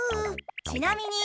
ちなみに。